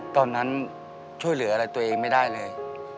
ตอนนั้นช่วยเหลืออะไรตัวเองไม่ได้เลย